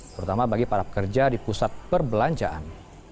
terutama bagi para pekerja di pusat perbelanjaan